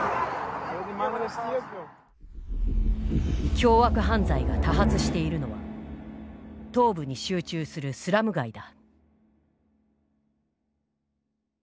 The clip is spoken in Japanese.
凶悪犯罪が多発しているのは東部に集中するスラム街だ。